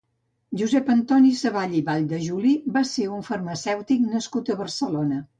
Josep Antoni Savall i Valldejuli va ser un farmacèutic nascut a Barcelona.